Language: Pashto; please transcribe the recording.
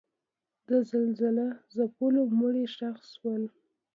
د زلزله ځپلو مړي ښخ شول.